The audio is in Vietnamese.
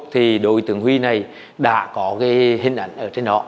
thì đối tượng huy này đã có cái hình ảnh ở trên đó